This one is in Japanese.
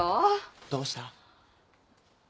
どうした？